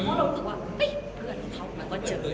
เพราะเรารู้สึกว่าเฮ้ยเพื่อนเข้าเราก็เจอ